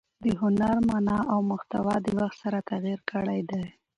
د هنر مانا او محتوا د وخت سره تغیر کړی دئ.